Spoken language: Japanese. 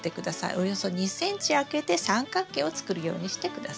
およそ２ｃｍ空けて三角形を作るようにして下さい。